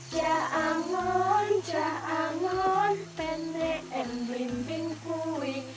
cahangun cahangun pene em bimbing kuwi